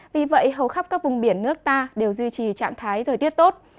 vì vậy hầu khắp các vùng biển nước ta đều duy trì trạng thái thời tiết tốt